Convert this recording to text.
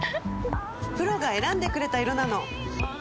プロが選んでくれた色なの！